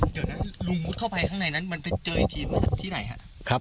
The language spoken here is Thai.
เดี๋ยวนั้นลุงมุดเข้าไปข้างในนั้นมันไปเจออีกทีที่ไหนครับ